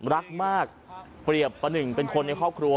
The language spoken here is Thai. รักมากเปรียบประหนึ่งเป็นคนในครอบครัว